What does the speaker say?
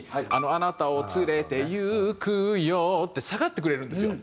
「あなたを連れてゆくよ」って下がってくれるんですよ。